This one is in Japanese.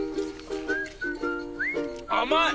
甘い！